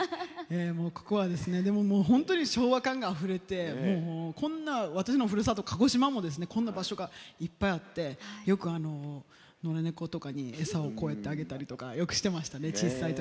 ここは本当に昭和感があふれて私のふるさとの鹿児島にもこんな場所がいっぱいあってよく、野良猫とかに小さいとき餌をあげたりしてましたね。